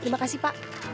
terima kasih pak